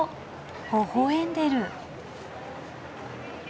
ほほ笑んでる。